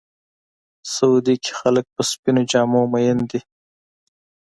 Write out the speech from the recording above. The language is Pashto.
سعودي کې خلک په سپینو جامو مین دي.